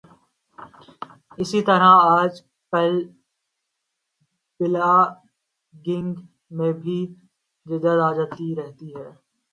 اسی طرح آج کل بلاگنگ میں بھی جدت آتی جارہی ہے